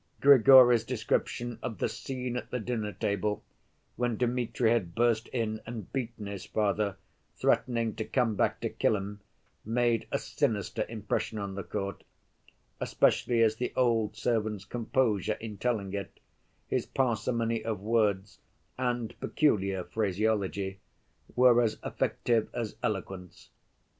Grigory's description of the scene at the dinner‐table, when Dmitri had burst in and beaten his father, threatening to come back to kill him, made a sinister impression on the court, especially as the old servant's composure in telling it, his parsimony of words and peculiar phraseology, were as effective as eloquence.